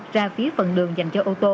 ra phía phần đường dành cho ô tô